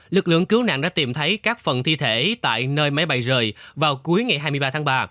lực lượng cứu nạn đã tìm thấy các phần thi thể tại nơi máy bay rời vào cuối ngày hai mươi ba tháng ba